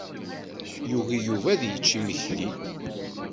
Yugi Yuba ad yečč imekli.